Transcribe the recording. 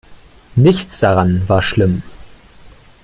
Nichts daran war schlimm.